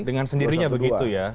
dengan sendirinya begitu ya